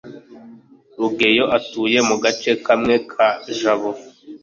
rugeyo atuye mu gace kamwe ka jabo